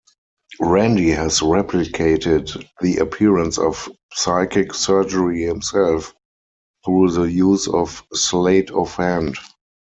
Randi has replicated the appearance of psychic surgery himself through the use of sleight-of-hand.